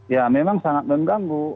ya memang sangat mengganggu